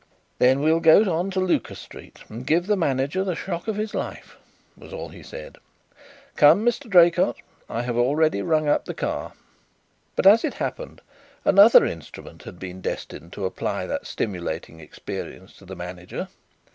"Then we'll go on to Lucas Street and give the manager the shock of his life," was all he said. "Come, Mr. Draycott, I have already rung up the car." But, as it happened, another instrument had been destined to apply that stimulating experience to the manager.